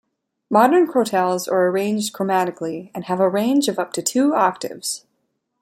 Modern crotales are arranged chromatically and have a range of up to two octaves.